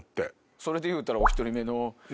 それで言うたらお１人目の。